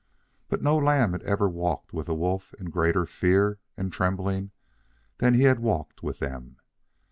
But no lamb had ever walked with a wolf in greater fear and trembling than had he walked with them.